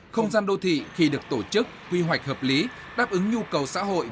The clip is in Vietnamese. không gian đô thị khi được tổ chức quy hoạch hợp lý đáp ứng nhu cầu xã hội